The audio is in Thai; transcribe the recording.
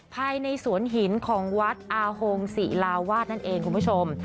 ภายในสวนหินของวัดอาโฮงศิลาวาสนั่นเองคุณผู้ชม